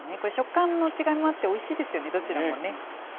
これ、食感の違いもあって、おいしいですよね、どちらもね。